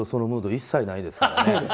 一切ないですからね。